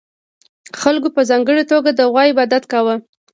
خلکو په ځانګړې توګه د غوا عبادت کاوه